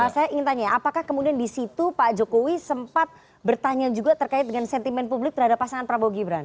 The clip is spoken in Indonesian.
saya ingin tanya apakah kemudian di situ pak jokowi sempat bertanya juga terkait dengan sentimen publik terhadap pasangan prabowo gibran